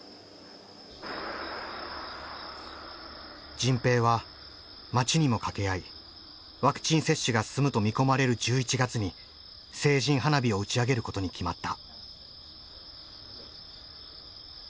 迅平は町にも掛け合いワクチン接種が進むと見込まれる１１月に成人花火を打ち上げることに決まった。